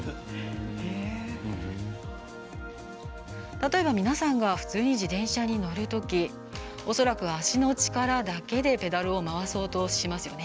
例えば、皆さんが普通に自転車に乗るとき恐らく足の力だけでペダルを回そうとしますよね。